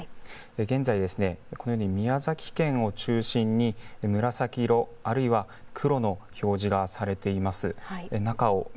現在、このように宮崎県を中心に紫色、あるいは黒の表示がされています。